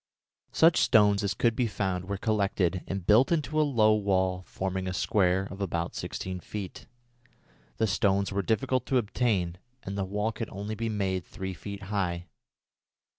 Such stones as could be found were collected and built into a low wall forming a square of about sixteen feet. The stones were difficult to obtain, and the wall could only be made three feet high.